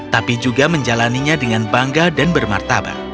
tapi juga menjalannya dengan bangga dan bermartabat